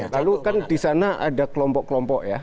lalu kan di sana ada kelompok kelompok ya